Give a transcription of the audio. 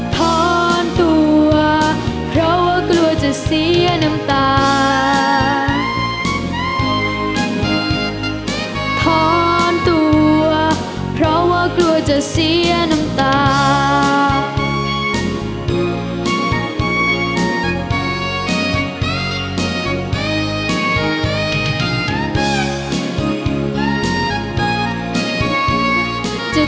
ทอนตัวเพราะว่ากลัวจะเสียน้ำตา